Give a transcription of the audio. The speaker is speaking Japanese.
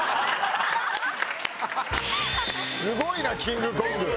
すごいなキングコング。